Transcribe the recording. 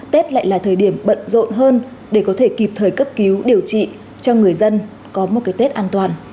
tết lại là thời điểm bận rộn hơn để có thể kịp thời cấp cứu điều trị cho người dân có một cái tết an toàn